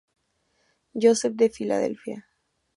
Joseph de Filadelfia.